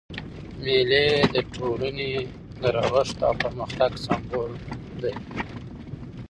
مېلې د ټولني د رغښت او پرمختګ سمبول دي.